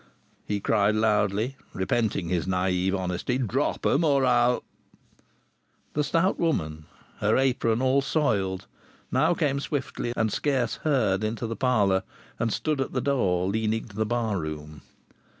he cried loudly, repenting his naïve honesty. "Drop 'em! Or I'll " The stout woman, her apron all soiled, now came swiftly and scarce heard into the parlour, and stood at the door leading to the bar room.